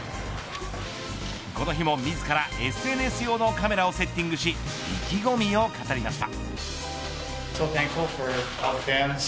この日も自らＳＮＳ用のカメラをセッティングし意気込みを語りました。